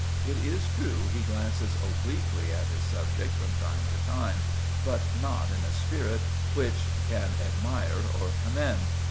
It is true he glances obliquely at his subject from time to time; but not in a spirit which can admire or commend.